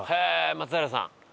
松平さん。